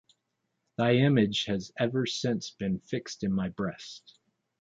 Thy image has ever since been fixed in my breast.